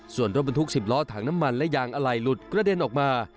ส่วนรถบรรทุก๑๐ล้อถังน้ำมันและยางอะไหล่หลุดกระเด็นออกมา